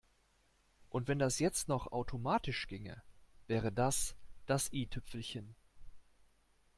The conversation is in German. Und wenn das jetzt noch automatisch ginge, wäre das das i-Tüpfelchen.